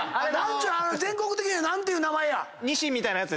ちゅう全国的には何ていう名前や？